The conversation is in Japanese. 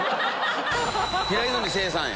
平泉成さんや。